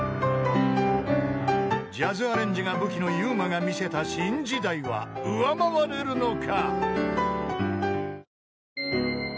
［ジャズアレンジが武器のｙｕｍａがみせた『新時代』は上回れるのか］